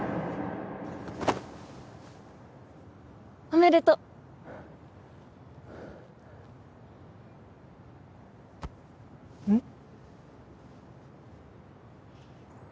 おめでとううん？